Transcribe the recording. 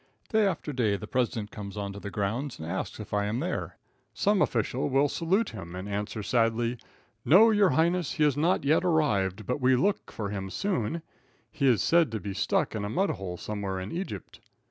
Day after day the president on to the grounds and ask if I am there. Some official will salute him and answer sadly, "No, your highness, he has not yet arrived, but we look for him soon. He is said to be stuck in a mud hole somewhere in Egypt."